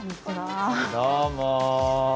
どうも。